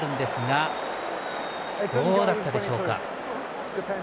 どうだったでしょうか。